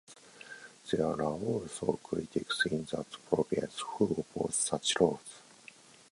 There are also critics in that province who oppose such laws.